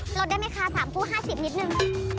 ลดได้ไหมคะ๓คู่๕๐นิดนึง